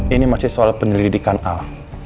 ini masih soal penyelidikan a